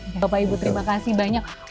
bapak ibu terima kasih banyak